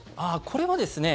これはですね